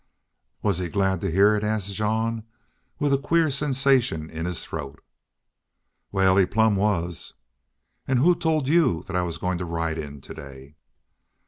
"Was he glad to hear it?" asked Jean, with a queer sensation in his throat. "Wal, he plumb was." "An' who told you I was goin' to ride in to day?"